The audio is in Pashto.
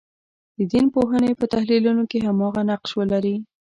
د دین پوهنې په تحلیلونو کې هماغه نقش ولري.